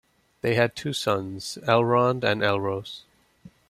They had two sons, Elrond and Elros.